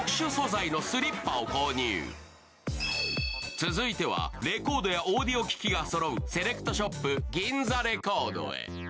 続いてはレコードやオーディオ機器がそろうセレクトショップ、ギンザレコードへ。